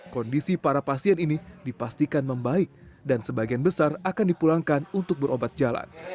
kondisi para pasien ini dipastikan membaik dan sebagian besar akan dipulangkan untuk berobat jalan